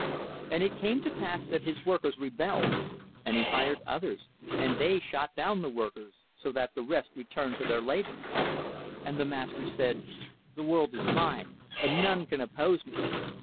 And it came to pass that his workers rebelled; and he hired others, and they shot down the workers, so that the rest returned to their labor. And the master said: The world is mine, and none can oppose me.